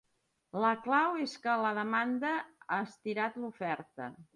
La clau és que la demanda ha estirat l’oferta.